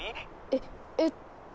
えっ？えっと。